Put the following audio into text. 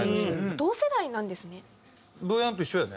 同世代なんですね。